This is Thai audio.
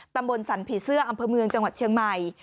ตำบลสรรผีเสื้ออำเภอเมืองจังหวัดเชียงใหม่